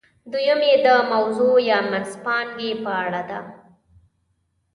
دویم یې د موضوع یا منځپانګې په اړه ده.